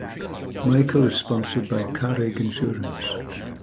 Michael is sponsored by Carraig Insurance.